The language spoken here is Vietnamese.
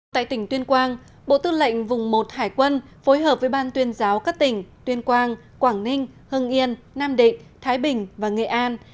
tại tỉnh tuyên quang bộ tư lệnh vùng một hải quân phối hợp với ban tuyên giáo các tỉnh tuyên quang quảng ninh hưng yên nam định thái bình và nghệ an